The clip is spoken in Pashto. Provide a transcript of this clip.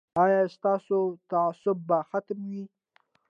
ایا ستاسو تعصب به ختم وي؟